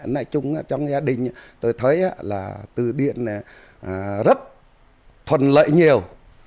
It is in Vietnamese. nói chung trong gia đình tôi thấy là từ điện rất thuận lợi nhiều